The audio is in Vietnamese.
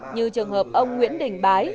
như trường hợp ông nguyễn đình bái